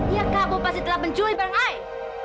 ya kamu pasti telah mencuri bareng saya